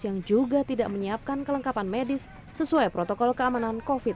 yang juga tidak menyiapkan kelengkapan medis sesuai protokol keamanan covid sembilan belas